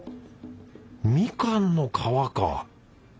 みかんの皮か？